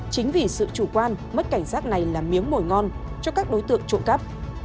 chính vì sự chủ quan mất cảnh giác này là miếng mồi ngon cho các đối tượng trộm cắp